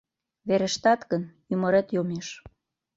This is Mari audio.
Верештат гын, ӱмырет йомеш».